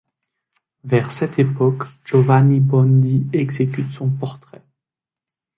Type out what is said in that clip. Vers cette époque, Giovanni Boldini exécute son portrait.